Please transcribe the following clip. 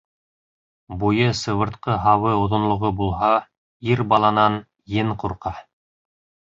Буйы сыбыртҡы һабы оҙонлоғо булһа, ир баланан ен ҡурҡа.